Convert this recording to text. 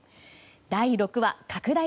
第６話拡大